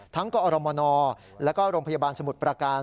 กอรมนแล้วก็โรงพยาบาลสมุทรประการ